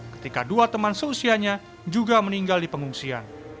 ketika dua teman seusianya juga meninggal di pengungsian